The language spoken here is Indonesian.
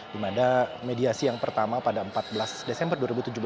di mana mediasi yang pertama pada empat belas desember dua ribu tujuh belas